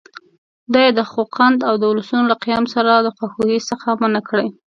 دا یې د خوقند د اولسونو له قیام سره د خواخوږۍ څخه منع کړي.